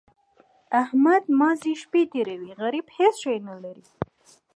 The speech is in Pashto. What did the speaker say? احمد محض شپې تېروي؛ غريب هيڅ شی نه لري.